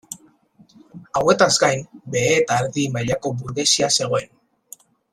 Hauetaz gain, behe eta erdi mailako burgesia zegoen.